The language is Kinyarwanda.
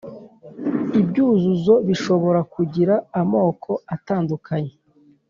ibyuzuzo bishobora kugira amoko atandukanye